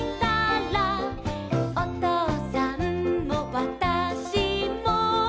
「おとうさんもわたしも」